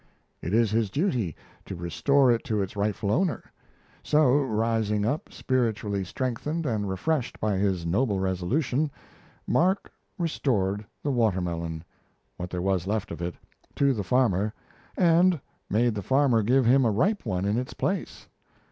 It is his duty to restore it to its rightful owner. So rising up, spiritually strengthened and refreshed by his noble resolution, Mark restored the water melon what there was left of it to the farmer and made the farmer give him a ripe one in its place!